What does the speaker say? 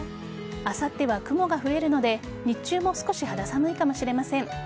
あさっては雲が増えるので日中も少し肌寒いかもしれません。